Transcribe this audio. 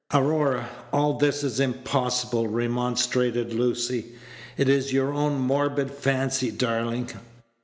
"Aurora, all this is impossible," remonstrated Lucy. "It is your own morbid fancy, darling."